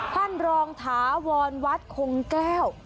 ท่านรองถาวรวัดคงแก้ว